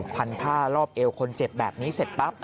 พันผ้ารอบเอวคนเจ็บแบบนี้เสร็จปั๊บ